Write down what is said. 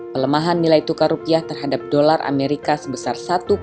pelemahan nilai tukar rupiah terhadap dolar amerika sebesar satu tujuh